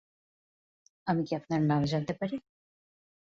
আমি কি আপনার নাম জানতে পারি?